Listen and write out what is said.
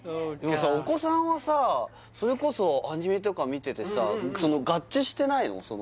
さお子さんはさそれこそアニメとか見ててさ合致してないの？